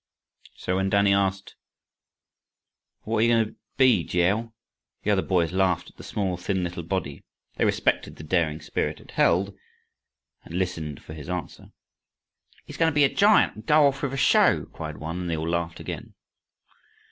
So when Danny asked, "And what are you going to be, G. L.?" though the boys laughed at the small thin little body, they respected the daring spirit it held, and listened for his answer. "He's goin' to be a giant, and go off with a show," cried one, and they all laughed again.